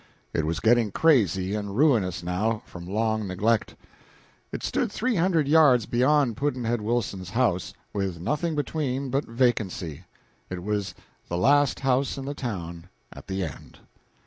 It was getting crazy and ruinous, now, from long neglect. It stood three hundred yards beyond Pudd'nhead Wilson's house, with nothing between but vacancy. It was the last house in the town at that end.